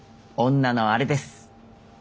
女のあれです。